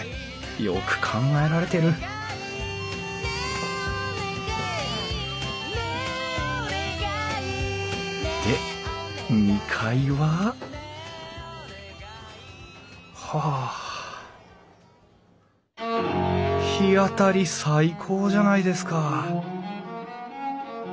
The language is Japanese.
よく考えられてるで２階ははあ日当たり最高じゃないですか！